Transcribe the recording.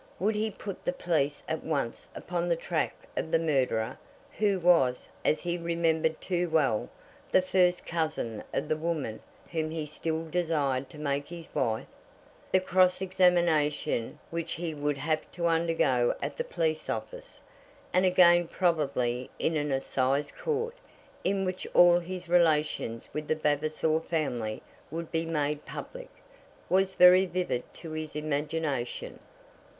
Would he put the police at once upon the track of the murderer, who was, as he remembered too well, the first cousin of the woman whom he still desired to make his wife? That cross examination which he would have to undergo at the police office, and again probably in an assize court, in which all his relations with the Vavasor family would be made public, was very vivid to his imagination.